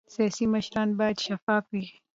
سیاسي مشران باید شفاف وي